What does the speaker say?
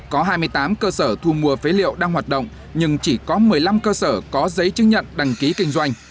có hai mươi tám cơ sở thu mua phế liệu đang hoạt động nhưng chỉ có một mươi năm cơ sở có giấy chứng nhận đăng ký kinh doanh